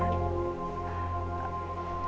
kamu keberatan sama permintaan tante